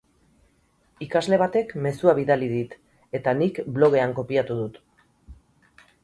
Ikasle batek mezua bidali dit eta nik blogean kopiatu dut.